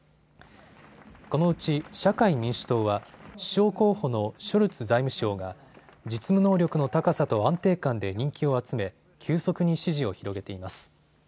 このうち社会民主党は首相候補のショルツ財務相が実務能力の高さと安定感で人気を集め急速に支持を広げています。